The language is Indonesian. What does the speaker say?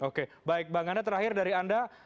oke baik bang anda terakhir dari anda